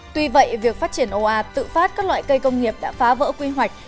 tuy vậy việc phát triển oa tự phát các loại cây công nghiệp đã phá vỡ quy hoạch